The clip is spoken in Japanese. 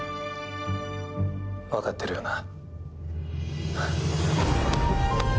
分かってるよな？